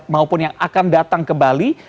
maupun yang akan datang ke bali